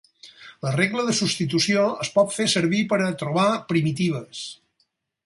La regla de substitució es pot fer servir per a trobar primitives.